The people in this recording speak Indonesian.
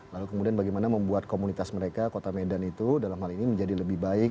lalu kemudian bagaimana membuat komunitas mereka kota medan itu dalam hal ini menjadi lebih baik